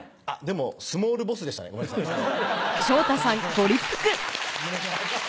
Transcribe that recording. あっでもスモールボスでしたねごめんなさい。